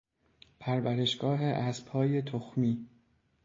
پرورشگاه اسبهای تخمی